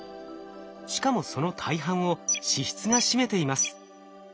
しかもその大半を脂質が占めています。